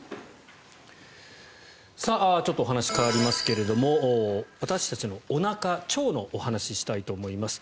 ちょっとお話変わりますが私たちのおなか腸のお話をしたいと思います。